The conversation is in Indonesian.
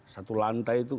satu lantai itu